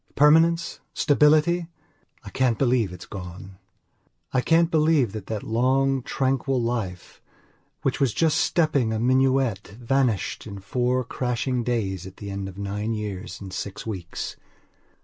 Permanence? Stability? I can't believe it's gone. I can't believe that that long, tranquil life, which was just stepping a minuet, vanished in four crashing days at the end of nine years and six weeks.